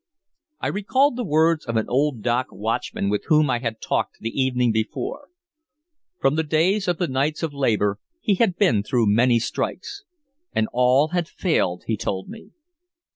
I recalled the words of an old dock watchman with whom I had talked the evening before. From the days of the Knights of Labor he had been through many strikes, and all had failed, he told me.